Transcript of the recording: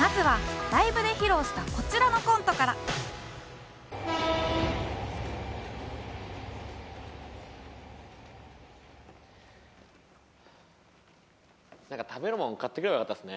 まずはライブで披露したこちらのコントからなんか食べるもの買っておけばよかったですね。